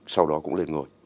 sau đó cũng lên ngồi